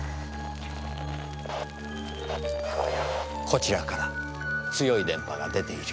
こちらから強い電波が出ているようですね。